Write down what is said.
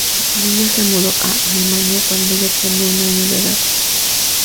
Su familia se mudó a Alemania cuando ella tenía un año de edad.